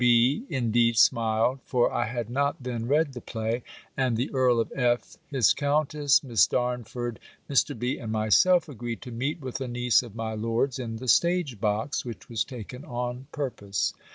B. indeed smiled; for I had not then read the play: and the Earl of F., his countess, Miss Darnford, Mr. B. and myself, agreed to meet with a niece of my lord's in the stage box, which was taken on purpose.